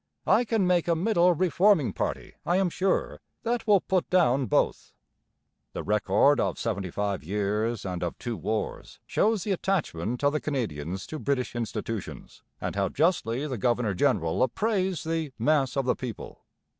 I can make a middle reforming party, I am sure, that will put down both.' The record of seventy five years and of two wars shows the attachment of the Canadians to British institutions, and how justly the governor general appraised the 'mass of the people.'